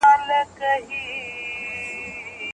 محکمو د اساسي قانون پر بنسټ پریکړي کولې.